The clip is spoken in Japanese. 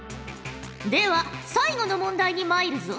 では最後の問題にまいるぞ！